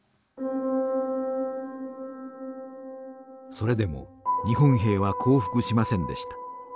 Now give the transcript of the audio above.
それでも日本兵は降伏しませんでした。